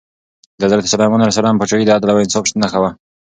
د حضرت سلیمان علیه السلام پاچاهي د عدل او انصاف نښه وه.